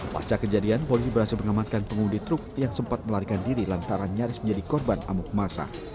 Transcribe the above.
pasca kejadian polisi berhasil mengamatkan pengundi truk yang sempat melarikan diri lantaran nyaris menjadi korban amuk masa